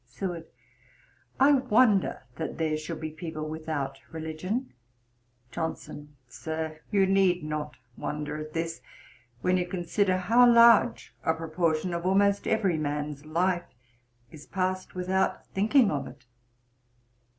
SEWARD. 'I wonder that there should be people without religion.' JOHNSON. 'Sir, you need not wonder at this, when you consider how large a proportion of almost every man's life is passed without thinking of it.